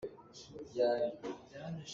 Kaa thlachiat.